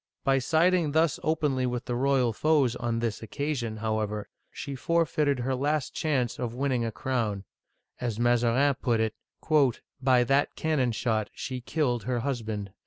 By siding thus openly with the royal foes on this occasion, however, she forfeited her last chance of win ning a crown ; as Maza rin put it, " By that cannon shot she killed her husband